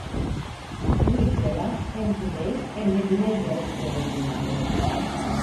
Bu hücreler hem kuzey hem de güney yarımkürede bulunmaktadır.